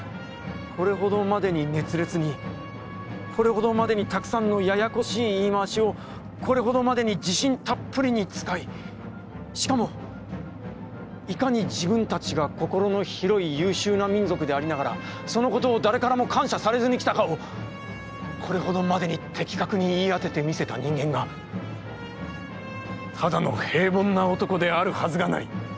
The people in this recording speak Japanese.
これほどまでに熱烈に、これほどまでにたくさんのややこしい言い回しを、これほどまでに自信たっぷりに使い、しかもいかに自分たちが心の広い優秀な民族でありながら、そのことを誰からも感謝されずにきたかを、これほどまでに的確に言い当てて見せた人間が、ただの平凡な男であるはずがない」。